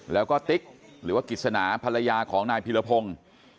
แล้วก็ติ๊กหรือว่ากิจสนาภรรยาของนายพิรพงศ์